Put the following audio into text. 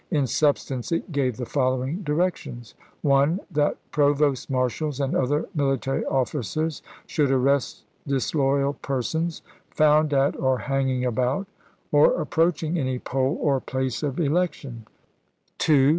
In substance it gave the following direc tions : 1. That provost marshals and other military officers should arrest disloyal persons " found at, or hanging about, or approaching any poll or place of election."